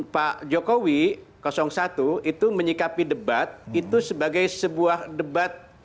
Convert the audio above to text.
pak jokowi satu itu menyikapi debat itu sebagai sebuah debat